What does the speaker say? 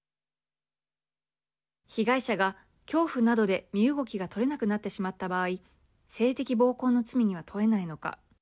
被害者が恐怖などで身動きが取れなくなってしまった場合性的暴行の罪には問えないのか。